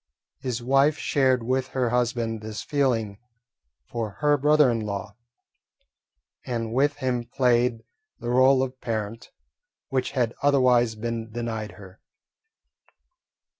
His wife shared with her husband this feeling for her brother in law, and with him played the role of parent, which had otherwise been denied her.